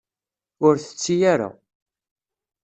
Ur tetti ara.